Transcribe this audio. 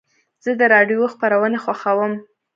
زه د راډیو خپرونې خوښوم.